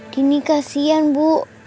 dini kasihan bu